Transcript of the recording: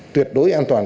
tuyệt đối an toàn